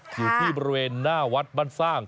อยู่ที่บริเวณหน้าวัดบรรซ่าง